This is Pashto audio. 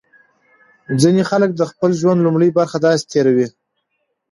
ځینې خلک د خپل ژوند لومړۍ برخه داسې تېروي.